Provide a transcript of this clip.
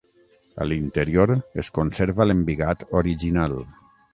A l'interior es conserva l'embigat original.